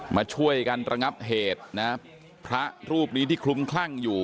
มาช่วยกันระงับเหตุนะพระรูปนี้ที่คลุมคลั่งอยู่